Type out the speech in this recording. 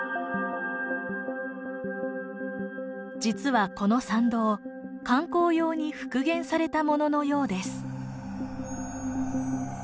実はこの桟道観光用に復元されたもののようです。